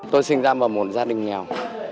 tôi sinh ra vào một gia đình nghèo